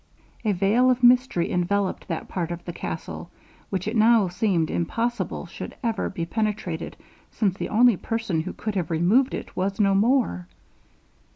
A veil of mystery enveloped that part of the castle, which it now seemed impossible should ever be penetrated, since the only person who could have removed it, was no more.